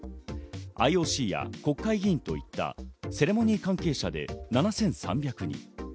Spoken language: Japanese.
ＩＯＣや国会議員といったセレモニー関係者で７３００人。